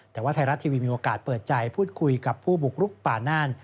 แต่ว่าไทยรัฐทีวีมีโอกาสเปิดใจพูดคุยกับผู้บุกรุกป่าน่าน